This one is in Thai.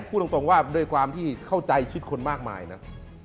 พูดตรงว่าด้วยกว่าเข้าใจชื่นคนมากมายเนี่ย